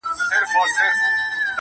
ذره غوندي وجود یې د اټوم زور شرمولی!.